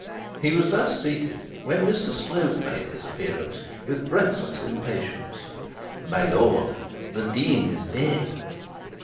He was thus seated when Mr Slope made his appearance with breathless impatience. 'My lord, the dean is dead.'